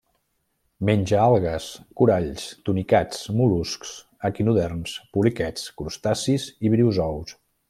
Menja algues, coralls, tunicats, mol·luscs, equinoderms, poliquets, crustacis i briozous.